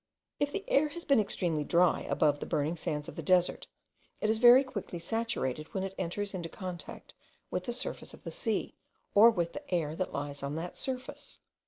If the air has been extremely dry above the burning sands of the desert, it is very quickly saturated when it enters into contact with the surface of the sea, or with the air that lies on that surface.